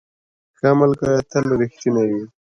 ښه ملګري تل رښتیني وي.